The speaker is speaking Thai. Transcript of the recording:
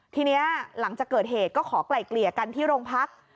ทีนี้หลังจากเกิดเหตุก็ขอไกล่เกลี่ยกันที่โรงพัก